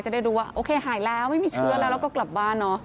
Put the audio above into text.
จะได้รู้ว่าโอเคหายแล้วไม่มีเชื้อแล้วแล้วก็กลับบ้านเนอะ